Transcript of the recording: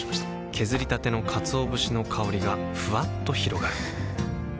削りたてのかつお節の香りがふわっと広がるはぁ。